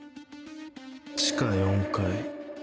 地下４階。